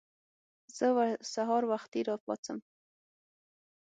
زه سهار وختي راپاڅم.